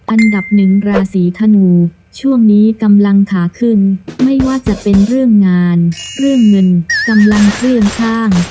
อันดับหนึ่งราศีธนูช่วงนี้กำลังขาขึ้นไม่ว่าจะเป็นเรื่องงานเรื่องเงินกำลังเปรี้ยงข้าง